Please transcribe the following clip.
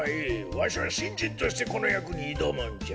わしはしんじんとしてこのやくにいどむんじゃ。